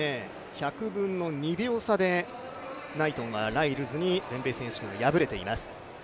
１００分の２秒差でナイトンがライルズに全米選手権で負けています。